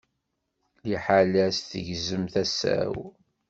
Liḥala-s, tegzem tasa-w.